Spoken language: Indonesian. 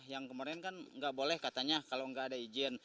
yang kemarin kan nggak boleh katanya kalau nggak ada izin